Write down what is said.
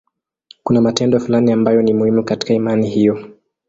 Kuna matendo fulani ambayo ni muhimu katika imani hiyo.